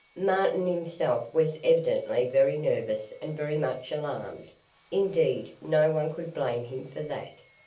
Martin himself was evidently very nervous and very much alarmed. Indeed no one could blame him for that.